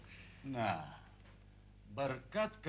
nah berkat keuletannya lalu dia bisa mencicil sebuah angkot tua